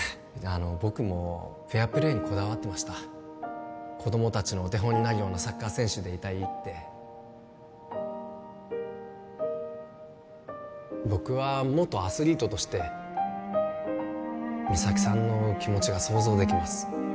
あの僕もフェアプレーにこだわってました子供達のお手本になるようなサッカー選手でいたいって僕は元アスリートとして三咲さんの気持ちが想像できます